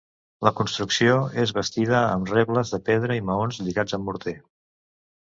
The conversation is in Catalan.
La construcció és bastida amb rebles de pedra i maons lligats amb morter.